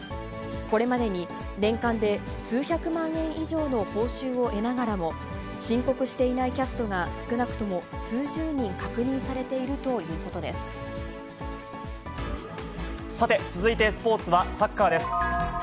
これまでに年間で数百万円以上の報酬を得ながらも、申告していないキャストが、少なくとも数十人確認されているさて、続いてスポーツはサッカーです。